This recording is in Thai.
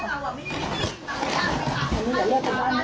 ขอโทษนะคะ